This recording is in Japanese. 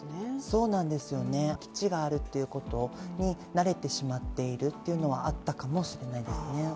そうなんですよね、基地があるということに慣れてしまっているということはあったかもしれないですね。